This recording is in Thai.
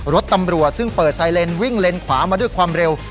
รถตำรวจซึ่งเปิดไซเลนวิ่งเลนขวามาด้วยความเร็ว